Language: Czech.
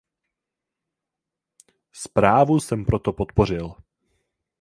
Zprávu jsem proto podpořil.